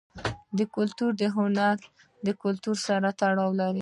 کلتور د افغان کلتور سره تړاو لري.